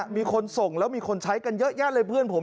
มีคนส่งแล้วมีคนใช้กันเยอะแยะเลยเพื่อนผม